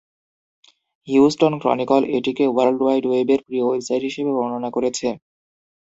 Houston Chronicle এটিকে world wide ওয়েবের প্রিয় ওয়েবসাইট হিসেবে বর্ণনা করেছে।